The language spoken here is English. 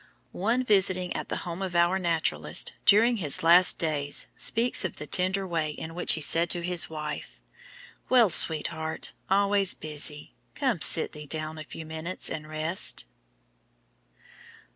One visiting at the home of our naturalist during his last days speaks of the tender way in which he said to his wife: "Well, sweetheart, always busy. Come sit thee down a few minutes and rest."